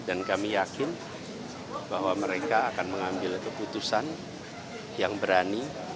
dan kami yakin bahwa mereka akan mengambil keputusan yang berani